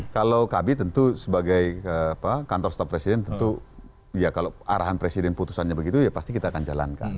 kalau kami tentu sebagai kantor staf presiden tentu ya kalau arahan presiden putusannya begitu ya pasti kita akan jalankan